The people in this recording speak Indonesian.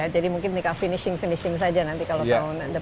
jadi mungkin tinggal finishing finishing saja nanti kalau tahun depan